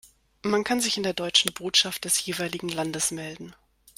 Man kann sich in der deutschen Botschaft des jeweiligen Landes melden.